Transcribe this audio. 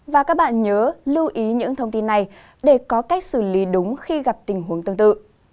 và các bạn nhớ lưu ý những thông tin này để có cách xử lý đúng khi gặp tình huống tương tự